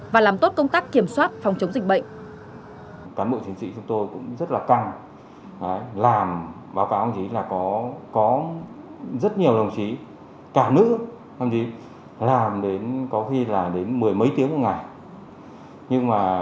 và làm tốt công tác kiểm soát phòng chống dịch bệnh